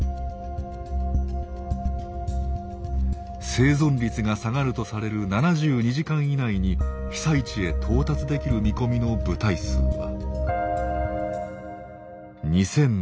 生存率が下がるとされる７２時間以内に被災地へ到達できる見込みの部隊数は。